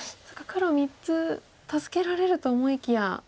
そっか黒３つ助けられると思いきや。